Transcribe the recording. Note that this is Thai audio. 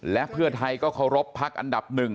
และเพื่อไทยก็เคารพพักอันดับหนึ่ง